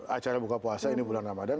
acara buka puasa ini bulan ramadhan